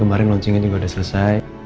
kemarin launchingnya juga udah selesai